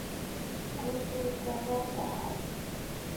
আমি জুড গ্যালাগহার!